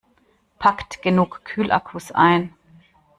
Packt genug Kühlakkus ein!